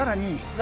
何？